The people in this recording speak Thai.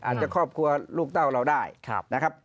ครอบครัวลูกเต้าเราได้นะครับ